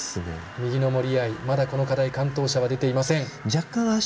右の森秋彩、まだこの課題完登者は出ていません。